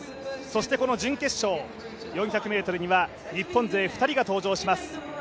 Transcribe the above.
そしてこの準決勝４００ｍには日本勢２人が登場します。